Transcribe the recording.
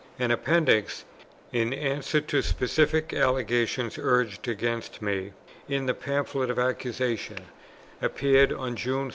An Appendix, in answer to specific allegations urged against me in the Pamphlet of Accusation, appeared on June 16.